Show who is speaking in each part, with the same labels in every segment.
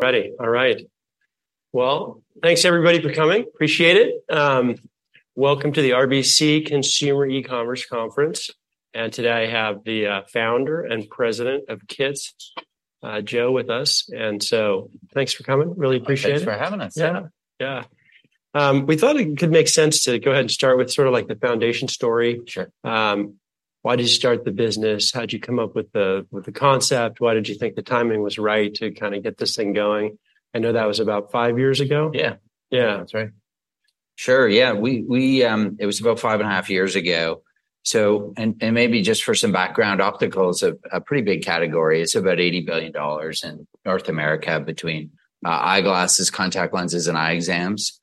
Speaker 1: Ready. All right. Well, thanks everybody for coming. Appreciate it. Welcome to the RBC Consumer E-Commerce Conference, and today I have the founder and president of Kits, Joe, with us, and so thanks for coming. Really appreciate it.
Speaker 2: Thanks for having us.
Speaker 1: Yeah, yeah. We thought it could make sense to go ahead and start with sort of like the foundation story.
Speaker 2: Sure.
Speaker 1: Why did you start the business? How'd you come up with the concept? Why did you think the timing was right to kinda get this thing going? I know that was about five years ago.
Speaker 2: Yeah.
Speaker 1: Yeah.
Speaker 2: That's right. Sure, yeah. It was about 5.5 years ago, so... And maybe just for some background, optical's a pretty big category. It's about $80 billion in North America between eyeglasses, contact lenses, and eye exams.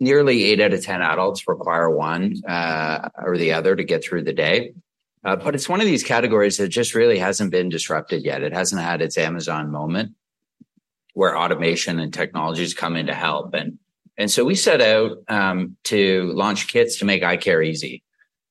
Speaker 2: Nearly eight out of 10 adults require one or the other to get through the day. But it's one of these categories that just really hasn't been disrupted yet. It hasn't had its Amazon moment, where automation and technology's come in to help. We set out to launch Kits to make eye care easy,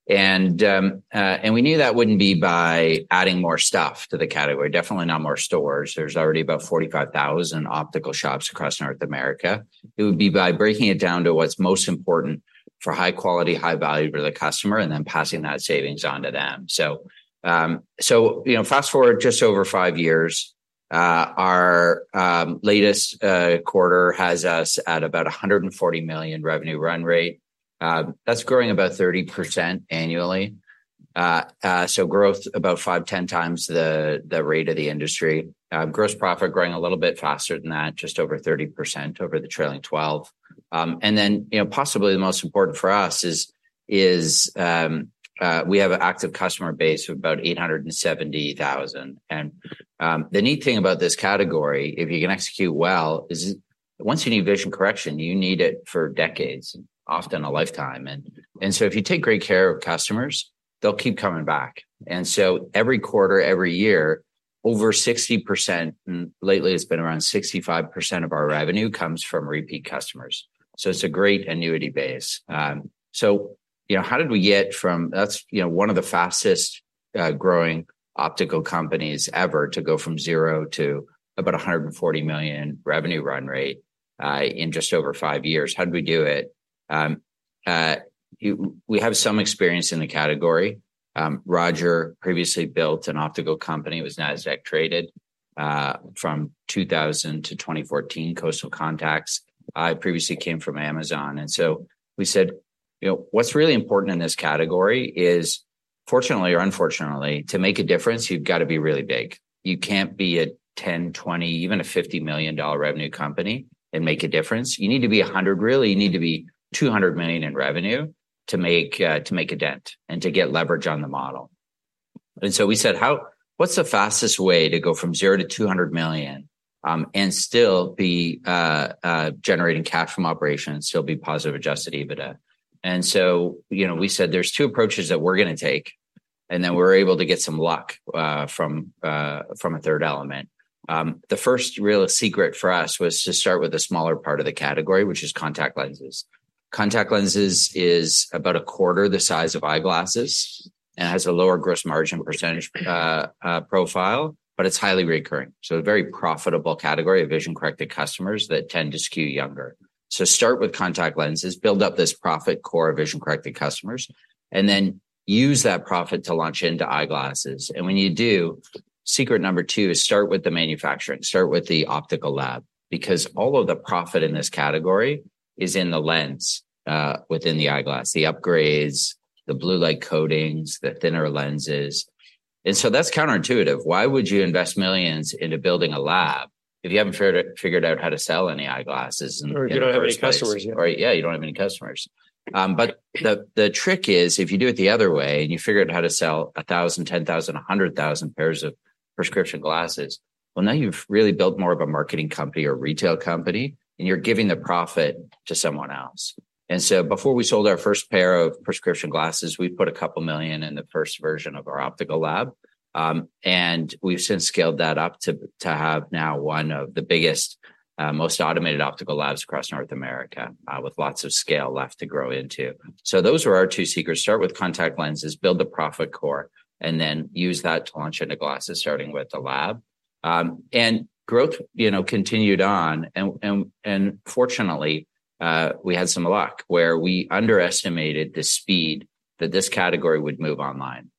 Speaker 2: and we knew that wouldn't be by adding more stuff to the category, definitely not more stores. There's already about 45,000 optical shops across North America. It would be by breaking it down to what's most important for high quality, high value for the customer, and then passing that savings on to them. You know, fast-forward just over five years, our latest quarter has us at about 140 million revenue run rate. That's growing about 30% annually. Growth about 5-10 times the rate of the industry. Gross profit growing a little bit faster than that, just over 30% over the trailing twelve. Then, you know, possibly the most important for us is we have an active customer base of about 870,000. The neat thing about this category, if you can execute well, is once you need vision correction, you need it for decades, often a lifetime. If you take great care of customers, they'll keep coming back. Every quarter, every year, over 60%, lately it's been around 65% of our revenue, comes from repeat customers, so it's a great annuity base. You know, how did we get from... That's, you know, one of the fastest growing optical companies ever to go from zero to about 140 million revenue run rate in just over five years. How'd we do it? We have some experience in the category. Roger previously built an optical company. It was NASDAQ-traded from 2000 to 2014, Coastal Contacts. I previously came from Amazon, and so we said, "You know, what's really important in this category is, fortunately or unfortunately, to make a difference, you've gotta be really big." You can't be a 10, 20, even a $50 million revenue company and make a difference. You need to be $100 million. Really, you need to be $200 million in revenue to make a dent and to get leverage on the model. We said, "What's the fastest way to go from 0 to $200 million, and still be generating cash from operations, still be positive Adjusted EBITDA?" You know, we said, there's two approaches that we're gonna take, and then we're able to get some luck from a third element. The first real secret for us was to start with the smaller part of the category, which is contact lenses. Contact lenses is about a quarter the size of eyeglasses and has a lower gross margin percentage profile, but it's highly recurring, so a very profitable category of vision-corrected customers that tend to skew younger. Start with contact lenses, build up this profit core of vision-corrected customers, and then use that profit to launch into eyeglasses. When you do, secret number two is start with the manufacturing. Start with the optical lab because all of the profit in this category is in the lens within the eyeglass, the upgrades, the blue light coatings, the thinner lenses, and so that's counterintuitive. Why would you invest millions into building a lab if you haven't figured out how to sell any eyeglasses in first place.
Speaker 1: Or you don't have any customers yet.
Speaker 2: Or, yeah, you don't have any customers. But the trick is, if you do it the other way, and you figure out how to sell 1,000, 10,000, 100,000 pairs of prescription glasses, well, now you've really built more of a marketing company or retail company, and you're giving the profit to someone else. Before we sold our first pair of prescription glasses, we put 2 million in the first version of our optical lab, and we've since scaled that up to have now one of the biggest, most automated optical labs across North America, with lots of scale left to grow into. Those were our two secrets: start with contact lenses, build the profit core, and then use that to launch into glasses, starting with the lab. Growth, you know, continued on, and fortunately, we had some luck, where we underestimated the speed that this category would move online.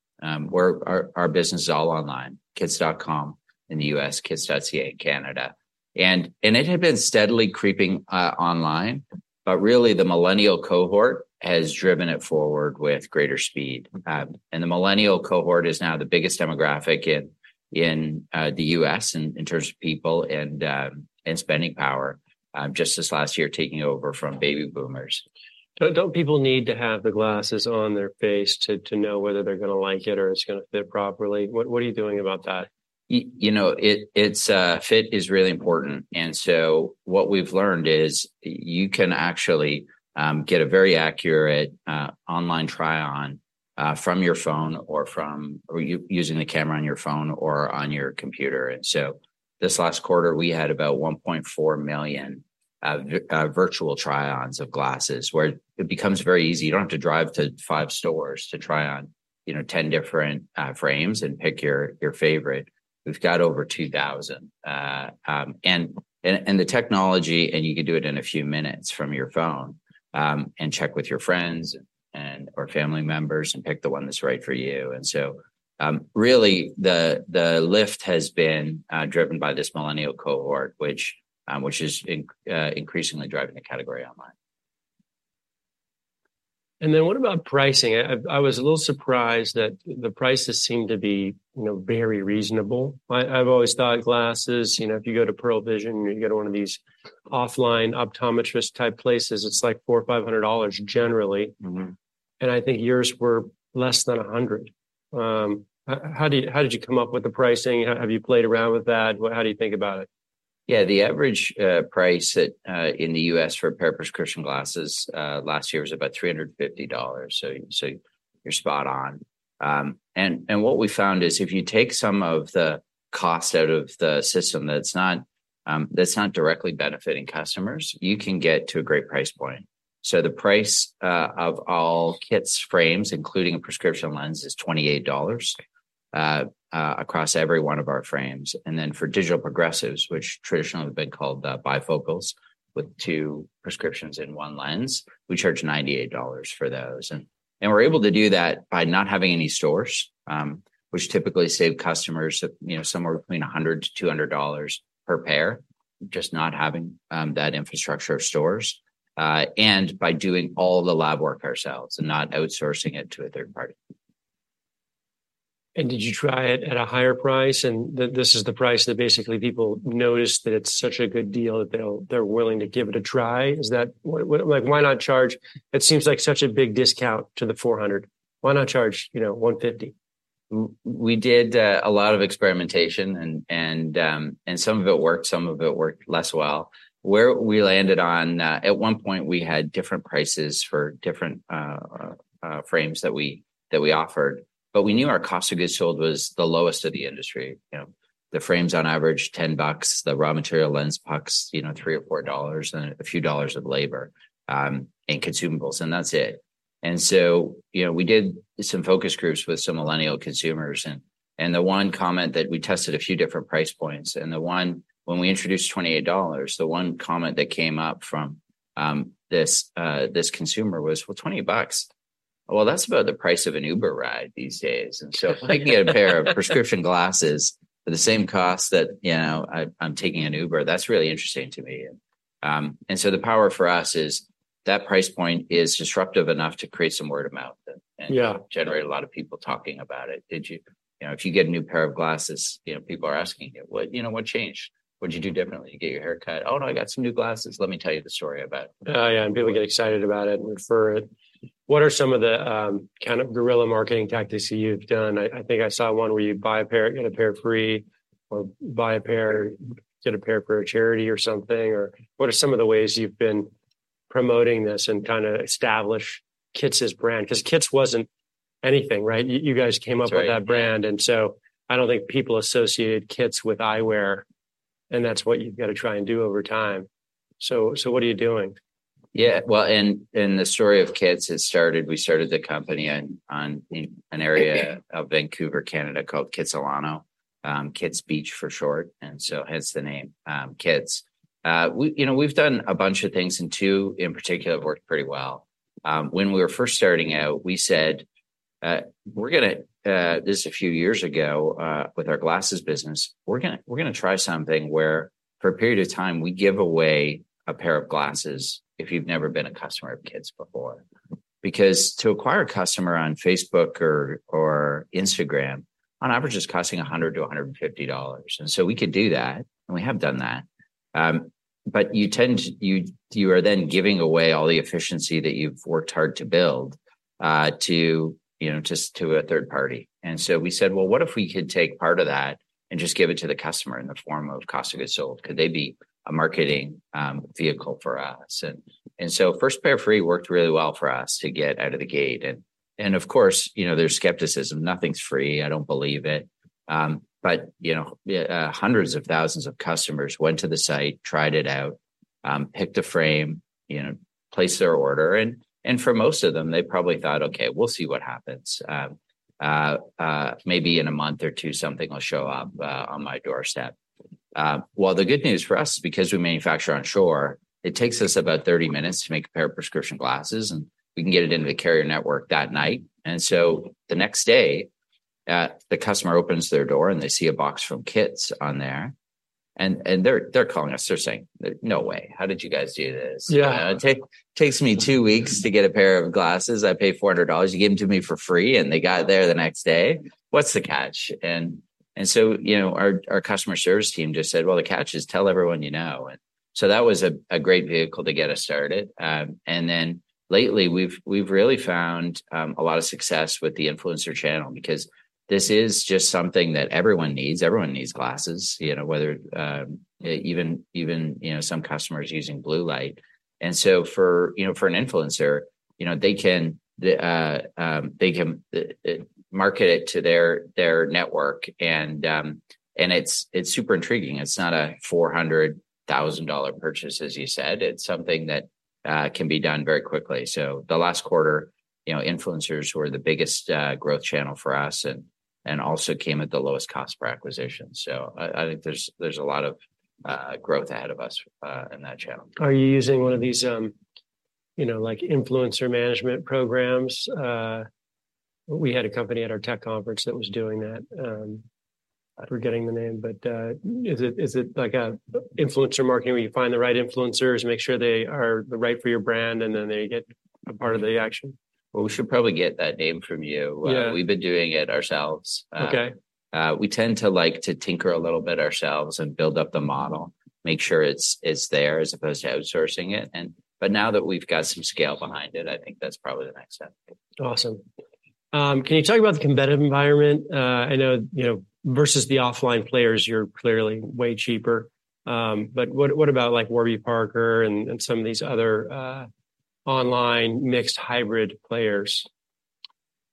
Speaker 2: Where our business is all online, kits.com in the U.S., kits.ca in Canada. It had been steadily creeping online, but really, the Millennial cohort has driven it forward with greater speed, and the Millennial cohort is now the biggest demographic in the U.S. in terms of people and spending power, just this last year taking over from Baby Boomers.
Speaker 1: Don't people need to have the glasses on their face to know whether they're gonna like it or it's gonna fit properly? What are you doing about that?
Speaker 2: You know, it's fit is really important, and so what we've learned is, you can actually get a very accurate online try-on from your phone or from using the camera on your phone or on your computer. This last quarter, we had about 1.4 million virtual try-ons of glasses, where it becomes very easy. You don't have to drive to five stores to try on, you know, 10 different frames and pick your favorite. We've got over 2,000. The technology, and you can do it in a few minutes from your phone, and check with your friends and or family members, and pick the one that's right for you. Really, the lift has been driven by this Millennial cohort, which is increasingly driving the category online.
Speaker 1: Then what about pricing? I was a little surprised that the prices seem to be, you know, very reasonable. I’ve always thought glasses, you know, if you go to Pearle Vision, you go to one of these offline optometrist-type places, it’s like $400 or $500 generally. I think yours were less than $100. How did you come up with the pricing? How have you played around with that? How do you think about it?
Speaker 2: Yeah, the average price in the U.S. for a pair of prescription glasses last year was about $350, you're spot on. And what we found is if you take some of the cost out of the system that's not directly benefiting customers, you can get to a great price point. The price of all Kits frames, including a prescription lens, is $28 across every one of our frames. Then for digital progressives, which traditionally have been called bifocals, with two prescriptions in one lens, we charge $98 for those. We're able to do that by not having any stores, which typically save customers, you know, somewhere between $100-$200 per pair, just not having that infrastructure of stores, and by doing all the lab work ourselves and not outsourcing it to a third party.
Speaker 1: Did you try it at a higher price, and this is the price that basically people noticed that it's such a good deal that they're willing to give it a try? Is that... What, what, like, why not charge... It seems like such a big discount to the $400. Why not charge, you know, $150?
Speaker 2: We did a lot of experimentation, and some of it worked, some of it worked less well. Where we landed on. At one point, we had different prices for different frames that we offered, but we knew our cost of goods sold was the lowest of the industry. You know, the frames on average, $10, the raw material lens pucks, you know, $3 or $4, and a few dollars of labor, and consumables, and that's it. You know, we did some focus groups with some Millennial consumers, and the one comment that we tested a few different price points. The one—when we introduced $28, the one comment that came up from this consumer was, "Well, $20, well, that's about the price of an Uber ride these days." "If I can get a pair of prescription glasses for the same cost that, you know, I'm taking an Uber, that's really interesting to me." The power for us is that price point is disruptive enough to create some word-of-mouth and-
Speaker 1: Yeah
Speaker 2: -generate a lot of people talking about it. Did you... You know, if you get a new pair of glasses, you know, people are asking you, "What, you know, what changed? What'd you do differently? You get your hair cut?" "Oh, no, I got some new glasses. Let me tell you the story about it.
Speaker 1: Oh, yeah, and people get excited about it and refer it. What are some of the kind of guerrilla marketing tactics you've done? I think I saw one where you buy a pair, get a pair free, or buy a pair, get a pair for a charity or something. Or what are some of the ways you've been promoting this and kind of establish Kits's brand? Because Kits wasn't anything, right? You guys came up-
Speaker 2: That's right
Speaker 1: -with that brand, and so I don't think people associated Kits with eyewear, and that's what you've got to try and do over time. What are you doing?
Speaker 2: Yeah. Well, in the story of Kits, it started, we started the company on, in an area of Vancouver, Canada, called Kitsilano, Kits Beach for short, and so hence the name, Kits. You know, we've done a bunch of things, and two in particular have worked pretty well. When we were first starting out, we said, "We're gonna..." This is a few years ago, with our glasses business, "We're gonna, we're gonna try something where for a period of time, we give away a pair of glasses if you've never been a customer of Kits before." Because to acquire a customer on Facebook or Instagram, on average, it's costing $100-$150. We could do that, and we have done that. But you are then giving away all the efficiency that you've worked hard to build, to you know, just to a third party. We said, "Well, what if we could take part of that and just give it to the customer in the form of cost of goods sold? Could they be a marketing vehicle for us?" First pair free worked really well for us to get out of the gate. Of course, you know, there's skepticism. Nothing's free. I don't believe it. You know, hundreds of thousands of customers went to the site, tried it out, picked a frame, you know, placed their order, and for most of them, they probably thought, "Okay, we'll see what happens. Maybe in a month or two, something will show up on my doorstep." Well, the good news for us, because we manufacture onshore, it takes us about 30 minutes to make a pair of prescription glasses, and we can get it into the carrier network that night. The next day, the customer opens their door, and they see a box from Kits on there, and they're calling us. They're saying, "No way. How did you guys do this?
Speaker 1: Yeah.
Speaker 2: Takes me two weeks to get a pair of glasses. I pay $400. You give them to me for free, and they got there the next day. What's the catch?" You know, our customer service team just said, "Well, the catch is, tell everyone you know." That was a great vehicle to get us started. Then lately, we've really found a lot of success with the influencer channel because this is just something that everyone needs. Everyone needs glasses, you know, whether even you know some customers using blue light. For you know for an influencer you know they can market it to their network and it's super intriguing. It's not a $400,000 purchase, as you said. It's something that can be done very quickly. The last quarter, you know, influencers were the biggest growth channel for us and also came at the lowest cost per acquisition. I think there's a lot of growth ahead of us in that channel.
Speaker 1: Are you using one of these, you know, like, influencer management programs? We had a company at our tech conference that was doing that. I'm forgetting the name, but, is it, like, an influencer marketing where you find the right influencers, make sure they are the right for your brand, and then they get a part of the action?
Speaker 2: Well, we should probably get that name from you.
Speaker 1: Yeah.
Speaker 2: We've been doing it ourselves.
Speaker 1: Okay.
Speaker 2: We tend to like to tinker a little bit ourselves and build up the model, make sure it's there, as opposed to outsourcing it. But now that we've got some scale behind it, I think that's probably the next step.
Speaker 1: Awesome. Can you talk about the competitive environment? I know, you know, versus the offline players, you're clearly way cheaper, but what about, like, Warby Parker and some of these other online mixed hybrid players?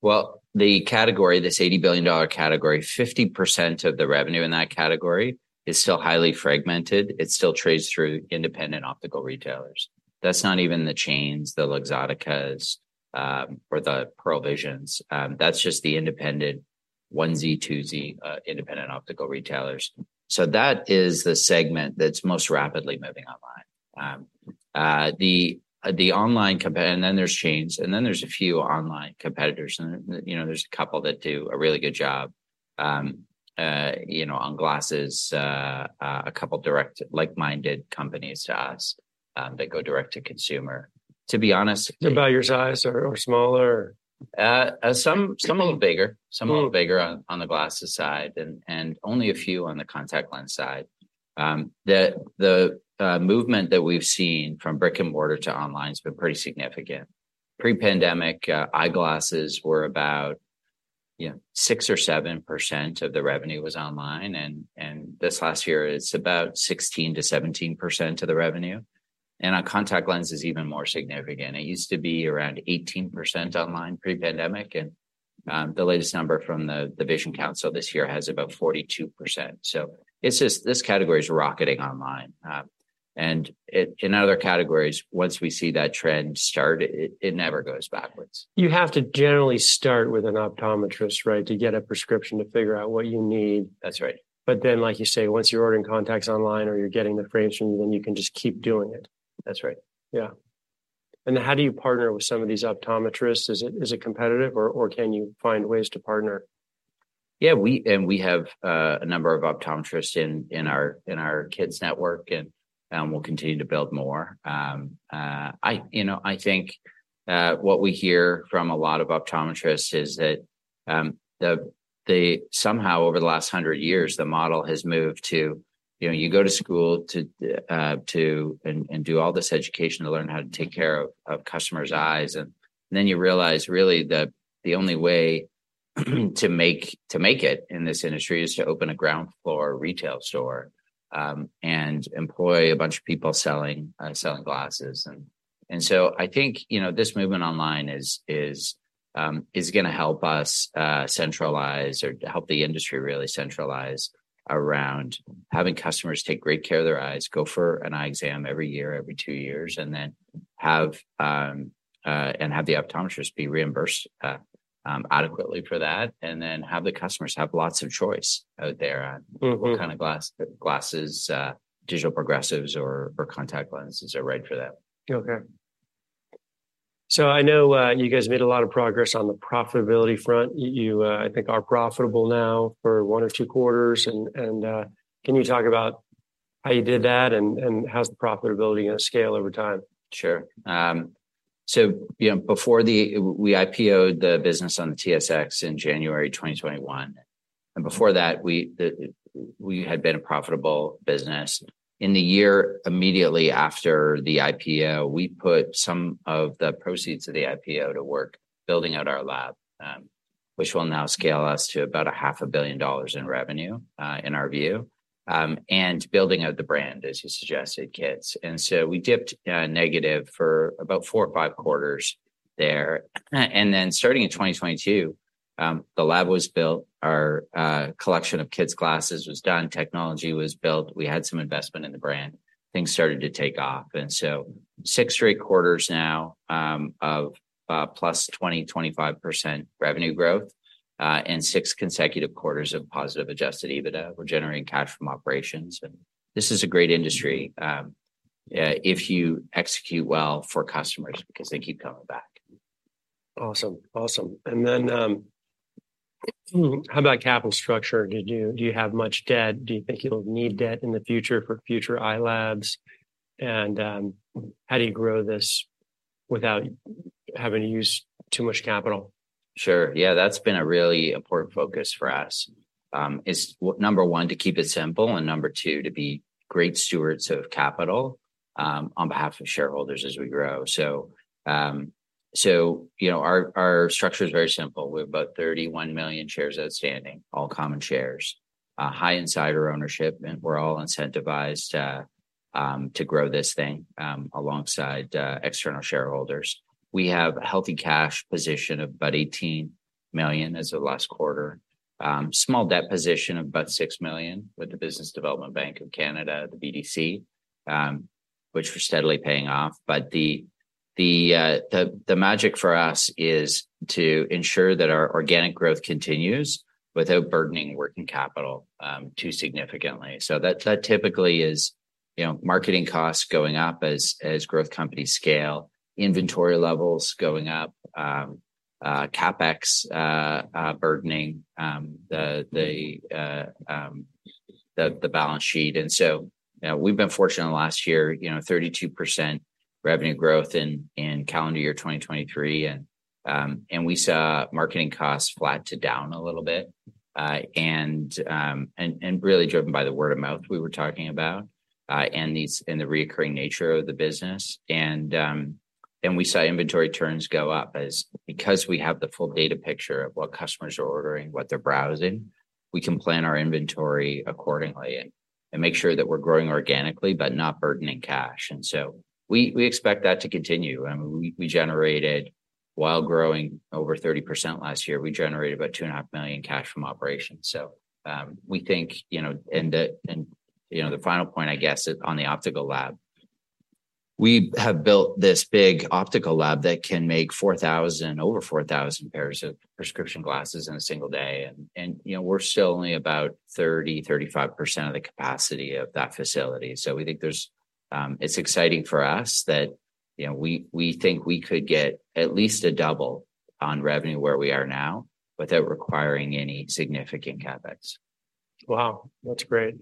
Speaker 2: Well, the category, this $80 billion category, 50% of the revenue in that category is still highly fragmented. It still trades through independent optical retailers. That's not even the chains, the Luxotticas, or the Pearle Vision. That's just the independent onesie-twosie independent optical retailers. That is the segment that's most rapidly moving online. The online competitor... and then there's chains, and then there's a few online competitors, and, you know, there's a couple that do a really good job, you know, on glasses. A couple direct like-minded companies to us, that go direct to consumer. To be honest...
Speaker 1: They're about your size or smaller?
Speaker 2: Some a little bigger. Some a little bigger on the glasses side, and only a few on the contact lens side. The movement that we've seen from brick-and-mortar to online has been pretty significant. Pre-pandemic, eyeglasses were about, you know, 6 or 7% of the revenue was online, and this last year, it's about 16%-17% of the revenue, and on contact lenses, even more significant. It used to be around 18% online pre-pandemic, and the latest number from the Vision Council this year has about 42%. It's just, this category is rocketing online. In other categories, once we see that trend start, it never goes backwards.
Speaker 1: You have to generally start with an optometrist, right, to get a prescription to figure out what you need?
Speaker 2: That's right.
Speaker 1: But then, like you say, once you're ordering contacts online or you're getting the frames from them, then you can just keep doing it.
Speaker 2: That's right.
Speaker 1: Yeah. How do you partner with some of these optometrists? Is it competitive or can you find ways to partner?
Speaker 2: Yeah, and we have a number of optometrists in our Kits network, and we'll continue to build more. You know, I think what we hear from a lot of optometrists is that they somehow, over the last 100 years, the model has moved to, you know, you go to school to and do all this education to learn how to take care of customers' eyes, and then you realize, really, the only way to make it in this industry is to open a ground-floor retail store and employ a bunch of people selling glasses. I think, you know, this movement online is gonna help us centralize or help the industry really centralize around having customers take great care of their eyes, go for an eye exam every year, every two years, and then have the optometrists be reimbursed adequately for that, and then have the customers have lots of choice out there on what kind of glasses, digital progressives or contact lenses are right for them.
Speaker 1: Okay. I know you guys made a lot of progress on the profitability front. You, I think, are profitable now for one or two quarters, and can you talk about how you did that and how's the profitability gonna scale over time?
Speaker 2: Sure. You know, before we IPO-ed the business on the TSX in January 2021, and before that, we had been a profitable business. In the year immediately after the IPO, we put some of the proceeds of the IPO to work, building out our lab, which will now scale us to about 500 million dollars in revenue, in our view, and building out the brand, as you suggested, Kits. We dipped negative for about four or five quarters there. Then, starting in 2022, the lab was built, our collection of Kits' glasses was done, technology was built. We had some investment in the brand. Things started to take off, and so six straight quarters now of +20%-25% revenue growth, and six consecutive quarters of positive adjusted EBITDA. We're generating cash from operations, and this is a great industry, if you execute well for customers because they keep coming back.
Speaker 1: Awesome, awesome. Then, how about capital structure? Do you have much debt? Do you think you'll need debt in the future for future eye labs? How do you grow this without having to use too much capital?
Speaker 2: Sure. Yeah, that's been a really important focus for us. It's number one, to keep it simple, and number two, to be great stewards of capital, on behalf of shareholders as we grow. You know, our structure is very simple. We have about 31 million shares outstanding, all common shares. High insider ownership, and we're all incentivized to grow this thing, alongside external shareholders. We have a healthy cash position of about 18 million as of last quarter. Small debt position of about 6 million with the Business Development Bank of Canada, the BDC, which we're steadily paying off. But the magic for us is to ensure that our organic growth continues without burdening working capital too significantly. That typically is, you know, marketing costs going up as growth companies scale, inventory levels going up, CapEx burdening the balance sheet. Tou know, we've been fortunate in the last year, you know, 32% revenue growth in calendar year 2023, and we saw marketing costs flat to down a little bit. Really driven by the word-of-mouth we were talking about, and the recurring nature of the business. We saw inventory turns go up because we have the full data picture of what customers are ordering, what they're browsing, we can plan our inventory accordingly and make sure that we're growing organically, but not burdening cash. We expect that to continue. I mean, we generated... While growing over 30% last year, we generated about 2.5 million cash from operations. We think, you know, and the final point, I guess, is on the optical lab. We have built this big optical lab that can make 4,000, over 4,000 pairs of prescription glasses in a single day, and, you know, we're still only about 30%-35% of the capacity of that facility. We think there's... It's exciting for us that, you know, we think we could get at least a double on revenue where we are now without requiring any significant CapEx.
Speaker 1: Wow, that's great!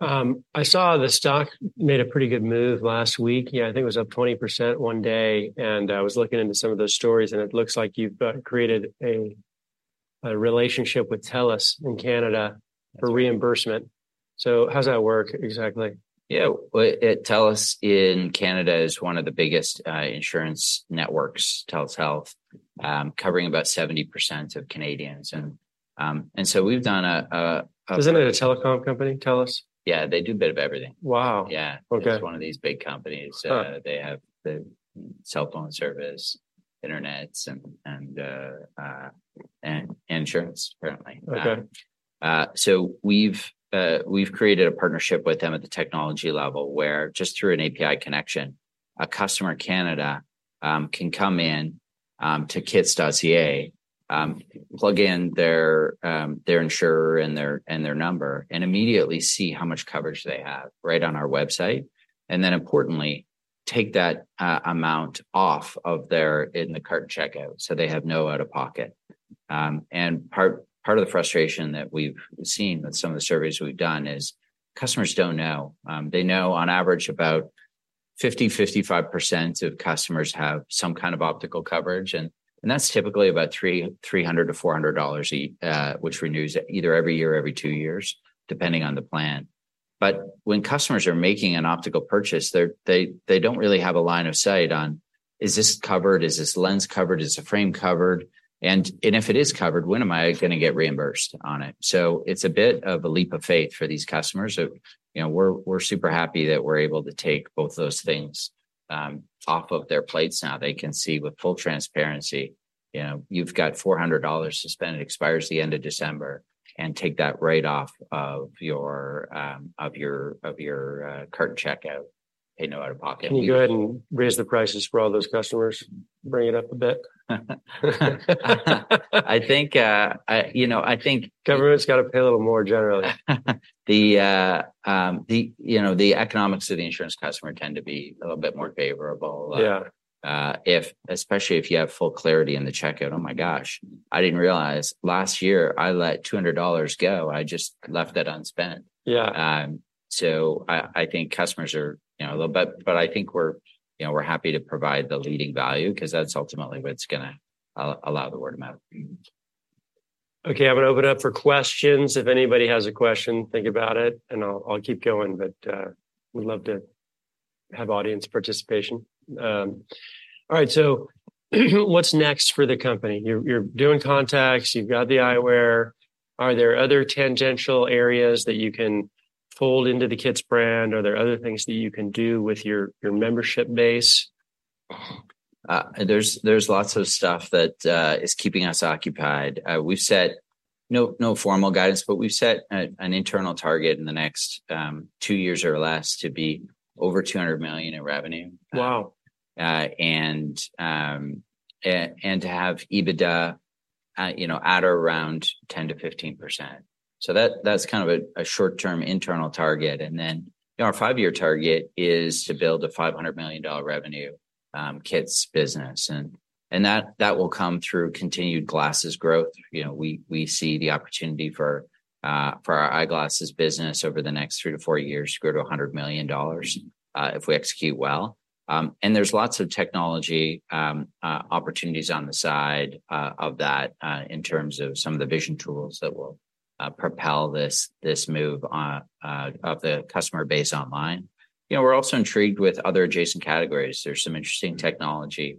Speaker 1: I saw the stock made a pretty good move last week. Yeah, I think it was up 20% one day, and I was looking into some of those stories, and it looks like you've created a relationship with Telus in Canada-
Speaker 2: That's right
Speaker 1: -for reimbursement. How does that work exactly?
Speaker 2: Yeah. Well, Telus in Canada is one of the biggest insurance networks, Telus Health, covering about 70% of Canadians. We've done a...
Speaker 1: Isn't it a telecom company, Telus?
Speaker 2: Yeah, they do a bit of everything.
Speaker 1: Wow!
Speaker 2: Yeah.
Speaker 1: Okay.
Speaker 2: It's one of these big companies. They have the cellphone service, internet, and insurance, apparently.
Speaker 1: Okay.
Speaker 2: We've created a partnership with them at the technology level, where just through an API connection, a customer in Canada can come in to kits.ca, plug in their insurer and their number, and immediately see how much coverage they have right on our website. Then importantly, take that amount off of their in the cart checkout, so they have no out-of-pocket. Part of the frustration that we've seen with some of the surveys we've done is customers don't know. They know on average about 55% of customers have some kind of optical coverage, and that's typically about 300-400 dollars which renews either every year or every two years, depending on the plan. But when customers are making an optical purchase, they don't really have a line of sight on, "Is this covered? Is this lens covered, is the frame covered, and if it is covered, when am I gonna get reimbursed on it?" It's a bit of a leap of faith for these customers. You know, we're super happy that we're able to take both those things off of their plates now. They can see with full transparency, you know, you've got 400 dollars to spend, it expires at the end of December, and take that right off of your cart checkout. Pay, you know, out-of-pocket.
Speaker 1: Can you go ahead and raise the prices for all those customers? Bring it up a bit.
Speaker 2: I think, you know, I think—
Speaker 1: Government's got to pay a little more, generally.
Speaker 2: You know, the economics of the insurance customer tend to be a little bit more favorable.
Speaker 1: Yeah
Speaker 2: Especially if you have full clarity in the checkout. "Oh, my gosh, I didn't realize last year I let $200 go. I just left it unspent.
Speaker 1: Yeah.
Speaker 2: I think customers are, you know, a little... But I think we're, you know, we're happy to provide the leading value 'cause that's ultimately what's gonna allow the word-of-mouth.
Speaker 1: Okay, I'm gonna open it up for questions. If anybody has a question, think about it, and I'll keep going, but we'd love to have audience participation. All right. What's next for the company? You're doing contacts, you've got the eyewear. Are there other tangential areas that you can fold into the Kits brand? Are there other things that you can do with your membership base?
Speaker 2: There's lots of stuff that is keeping us occupied. We've set no formal guidance, but we've set an internal target in the next two years or less to be over 200 million in revenue.
Speaker 1: Wow!
Speaker 2: To have EBITDA, you know, at around 10%-15%. That's kind of a short-term internal target. Then, you know, our five-year target is to build a 500 million dollar revenue, Kits business. That will come through continued glasses growth. You know, we see the opportunity for our eyeglasses business over the next three to four years to grow to 100 million dollars, if we execute well. There's lots of technology opportunities on the side of that, in terms of some of the vision tools that will propel this move of the customer base online. You know, we're also intrigued with other adjacent categories. There's some interesting technology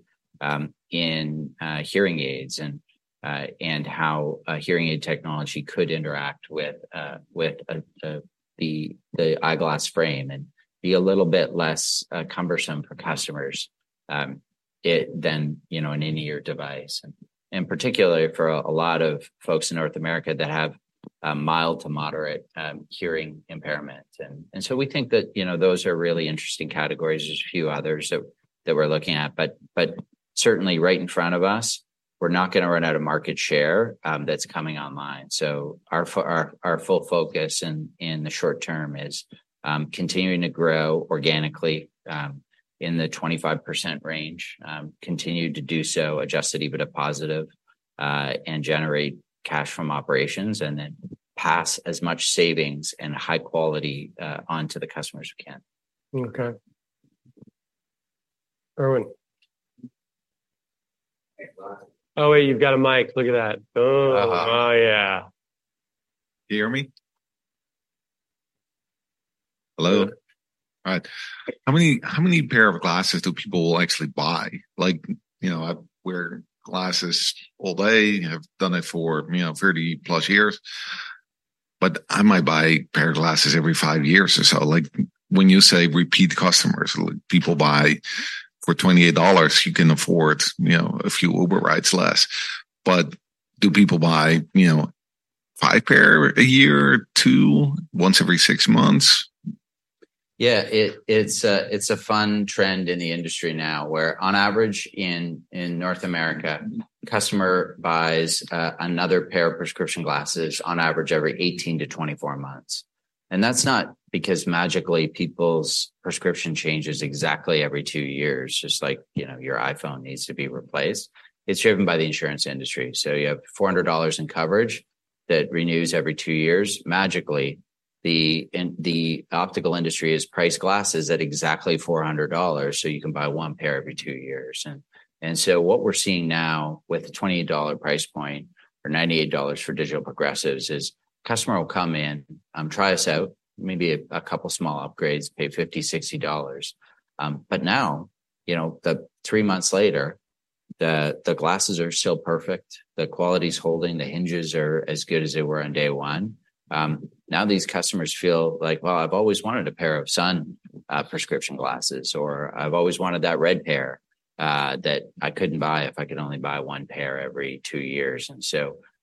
Speaker 2: in hearing aids and how hearing aid technology could interact with the eyeglass frame and be a little bit less cumbersome for customers than, you know, an in-ear device. Particularly for a lot of folks in North America that have a mild to moderate hearing impairment. We think that, you know, those are really interesting categories. There's a few others that we're looking at, but certainly right in front of us, we're not gonna run out of market share that's coming online. Our full focus in the short term is continuing to grow organically in the 25% range. Continue to do so, Adjusted EBITDA positive, and generate cash from operations, and then pass as much savings and high quality onto the customers who can.
Speaker 1: Okay. Erwin. Oh, wait, you've got a mic. Look at that. Oh. Oh, yeah.
Speaker 3: You hear me? Hello?
Speaker 1: Yeah.
Speaker 3: All right. How many, how many pair of glasses do people actually buy? Like, you know, I wear glasses all day, and I've done it for, you know, 30+ years, but I might buy a pair of glasses every five years or so. Like, when you say repeat customers, like, people buy... For $28, you can afford, you know, a few Uber rides less. But do people buy, you know, five pair a year, two, once every six months?
Speaker 2: Yeah, it's a fun trend in the industry now, where on average, in North America, customer buys another pair of prescription glasses on average, every 18-24 months. That's not because magically, people's prescription changes exactly every two years, just like, you know, your iPhone needs to be replaced. It's driven by the insurance industry. Tou have $400 in coverage that renews every two years. Magically, the optical industry has priced glasses at exactly $400, so you can buy one pair every two years. What we're seeing now with the $28 price point or $98 for digital progressives is, customer will come in, try us out, maybe a couple small upgrades, pay $50-$60. But now, you know, the three months later, the glasses are still perfect, the quality's holding, the hinges are as good as they were on day one. Now these customers feel like: Well, I've always wanted a pair of sun prescription glasses, or I've always wanted that red pair that I couldn't buy if I could only buy one pair every two years.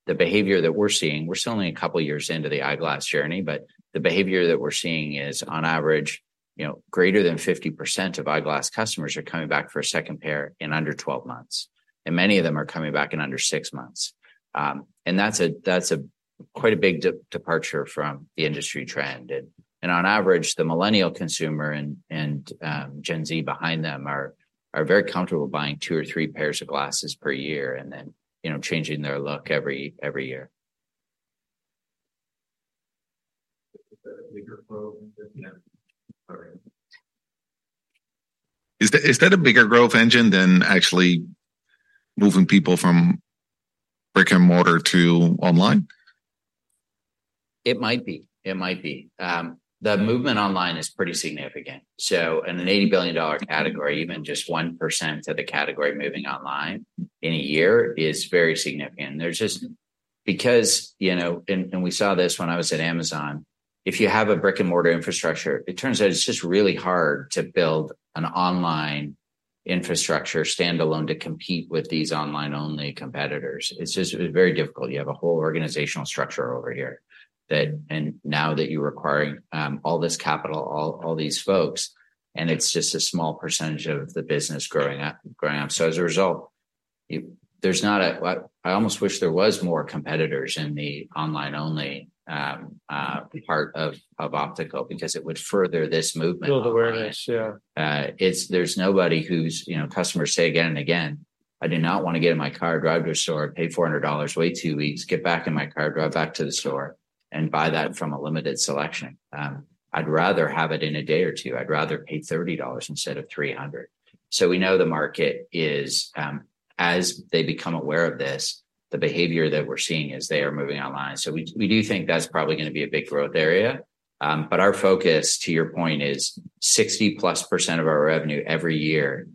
Speaker 2: The behavior that we're seeing, we're still only a couple of years into the eyeglass journey, but the behavior that we're seeing is, on average, you know, greater than 50% of eyeglass customers are coming back for a second pair in under 12 months, and many of them are coming back in under six months. That's quite a big departure from the industry trend. On average, the Millennial consumer and Gen Z behind them are very comfortable buying two or three pairs of glasses per year and then, you know, changing their look every year.
Speaker 3: Is that a bigger growth engine? Sorry. Is that, is that a bigger growth engine than actually moving people from brick-and-mortar to online?
Speaker 2: It might be. It might be. The movement online is pretty significant, so in an $80 billion category, even just 1% of the category moving online in a year is very significant. There's just because, you know, and, and we saw this when I was at Amazon, if you have a brick-and-mortar infrastructure, it turns out it's just really hard to build an online infrastructure standalone to compete with these online-only competitors. It's just very difficult. You have a whole organizational structure over here. That, and now that you're acquiring, all this capital, all these folks, and it's just a small percentage of the business growing up, growing up. As a result, it, there's not a... I almost wish there was more competitors in the online-only part of optical because it would further this movement.
Speaker 1: Build awareness, yeah.
Speaker 2: It's there's nobody who's, you know, customers say again and again, "I do not wanna get in my car, drive to a store, pay $400, wait two weeks, get back in my car, drive back to the store and buy that from a limited selection. I'd rather have it in a day or two. I'd rather pay $30 instead of $300." We know the market is, as they become aware of this, the behavior that we're seeing is they are moving online. We, we do think that's probably gonna be a big growth area. But our focus, to your point, is 60%+ of our revenue every year,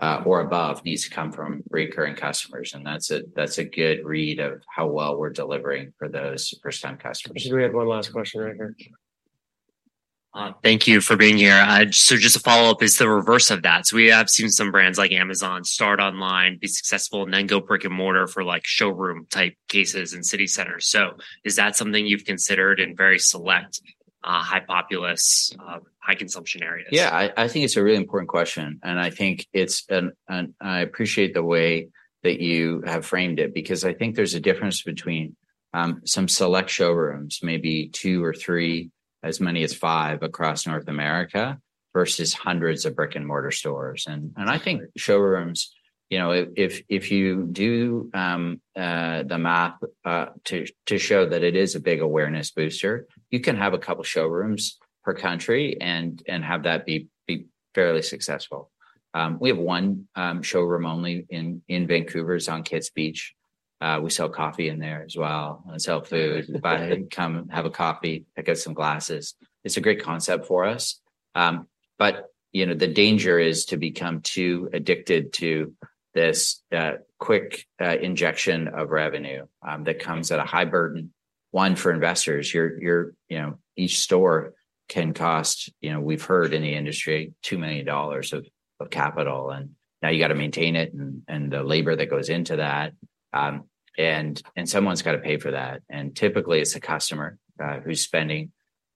Speaker 2: or above, needs to come from recurring customers, and that's a good read of how well we're delivering for those first-time customers.
Speaker 1: We had one last question right here. Thank you for being here. Just a follow-up, is the reverse of that. We have seen some brands like Amazon start online, be successful, and then go brick-and-mortar for, like, showroom-type cases and city centers. Is that something you've considered in very select, high populace, high consumption areas?
Speaker 2: Yeah, I think it's a really important question, and I think it's and I appreciate the way that you have framed it because I think there's a difference between some select showrooms, maybe two or three, as many as five across North America, versus hundreds of brick-and-mortar stores. I think showrooms, you know, if you do the math to show that it is a big awareness booster, you can have a couple showrooms per country and have that be fairly successful. We have one showroom only in Vancouver. It's on Kits Beach. We sell coffee in there as well, and sell food. Come, have a coffee, pick out some glasses. It's a great concept for us. But, you know, the danger is to become too addicted to this quick injection of revenue that comes at a high burden. One, for investors, your you know, each store can cost, you know, we've heard in the industry, $2 million of capital, and now you gotta maintain it, and the labor that goes into that, and someone's got to pay for that. Typically, it's the customer who's spending.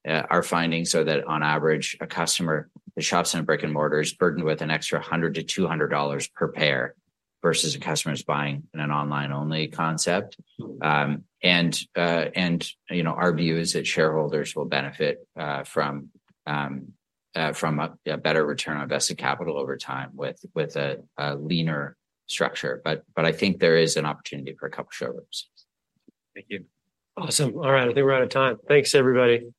Speaker 2: Our findings are that on average, a customer who shops in a brick-and-mortar is burdened with an extra $100-$200 per pair, versus a customer who's buying in an online-only concept. You know, our view is that shareholders will benefit from a better return on invested capital over time with a leaner structure. But I think there is an opportunity for a couple showrooms.
Speaker 3: Thank you.
Speaker 1: Awesome. All right, I think we're out of time. Thanks, everybody.